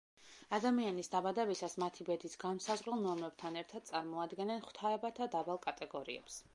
ადამიანის დაბადებისას მათი ბედის განმსაზღვრელ ნორმებთან ერთად წარმოადგენდნენ ღვთაებათა დაბალ კატეგორიებს.